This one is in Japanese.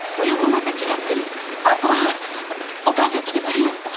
明子はんお母さん来てまへんやろうか？